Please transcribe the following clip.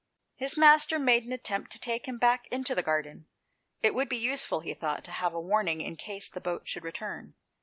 His master made an attempt to take him back into the garden; it would be useful, he thought, to have warning in case the boat should return.